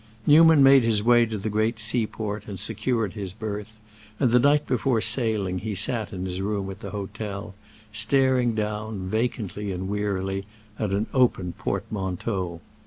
Newman made his way to the great seaport and secured his berth; and the night before sailing he sat in his room at the hotel, staring down, vacantly and wearily, at an open portmanteau.